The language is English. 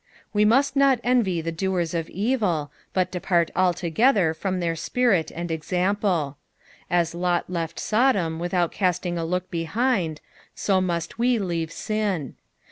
'''' Wo must not envy the doers of evil, bat depart altogether from their spirit and example. As Lot left Sodom vithom casting a look behind, so must we leave rin.